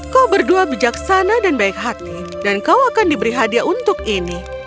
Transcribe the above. kau berdua bijaksana dan baik hati dan kau akan diberi hadiah untuk ini